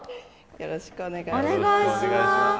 よろしくお願いします。